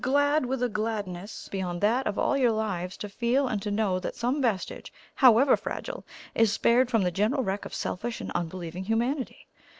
glad with a gladness beyond that of your own lives, to feel and to know that some vestige, however fragile, is spared from the general wreck of selfish and unbelieving Humanity.